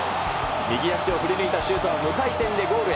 右足を振り抜いたシュートは無回転でゴールへ。